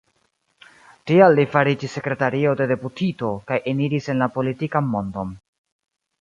Tial li fariĝis sekretario de deputito, kaj eniris en la politikan mondon.